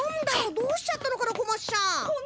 どうしちゃったのかな小町ちゃん。